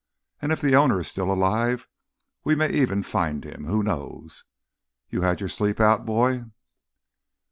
And if the owner is still alive, we may even find him—who knows? You had your sleep out, boy?"